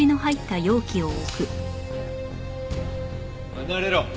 離れろ。